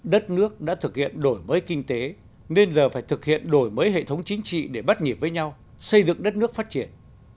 đất nước đã thực hiện đổi mới kinh tế nên giờ phải thực hiện đổi mới hệ thống chính trị để bắt nhịp với nhau xây dựng đất nước phát triển